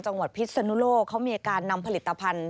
จังหวัดพิษสนุโลกเขามีอาการนำผลิตภัณฑ์